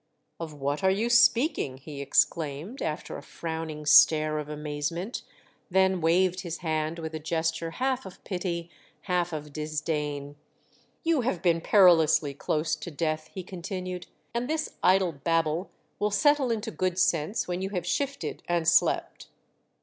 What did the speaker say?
"Of what are you speaking ?" he exclaimed, after a frowning stare of amazement ; then waved his hand with a gesture half of pity. half of disdain. " You have been perilously close to death," he continued, "and this idle babble will settle into good sense when you have shifted and slept."